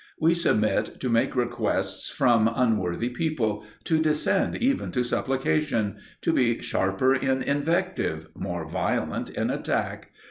We submit to make requests from unworthy people, to descend even to supplication; to be sharper in invective, more violent in attack.